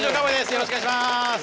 よろしくお願いします！